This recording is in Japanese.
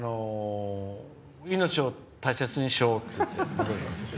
命を大切にしようって言って戻りました。